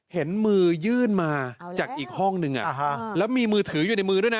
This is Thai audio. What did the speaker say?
เห็นมือยื่นมาจากอีกห้องนึงแล้วมีมือถืออยู่ในมือด้วยนะ